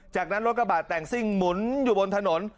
จากนั้นรถกระบาดแต่งซิ่งหมุนอยู่บนถนน